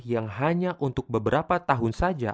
yang hanya untuk beberapa tahun saja